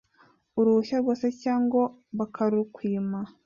uruhushya rwose cyangwa bakarukwima